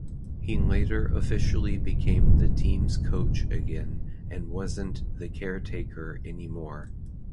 He later officially became the team's coach again and wasn't the caretaker anymore.